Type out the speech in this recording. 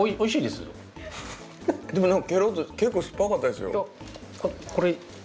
結構酸っぱかったですよ？